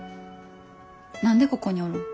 何でここにおるん？